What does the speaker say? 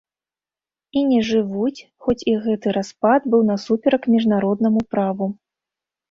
І не жывуць, хоць і гэты распад быў насуперак міжнароднаму праву.